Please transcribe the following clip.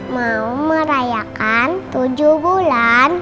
mau merayakan tujuh bulan